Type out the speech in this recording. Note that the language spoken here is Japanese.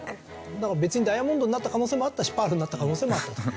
だから別にダイヤモンドになった可能性もあったしパールになった可能性もあったと。